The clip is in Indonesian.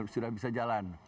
sudah bisa jalan